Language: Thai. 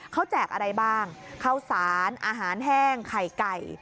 เขาแจกอะไรบ้างข้าวสารอาหารแห้งไข่ไก่